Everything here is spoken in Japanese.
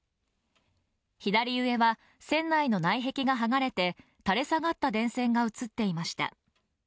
左上は船内の内壁が剥がれて垂れ下がった電線が写っていました。